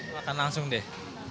makan langsung deh